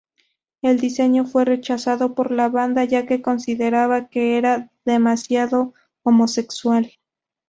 El diseño fue rechazado por la banda, ya que consideraban que era demasiado "homosexual".